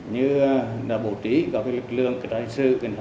như là bổ trí các lực lượng kỹ thuật hành sư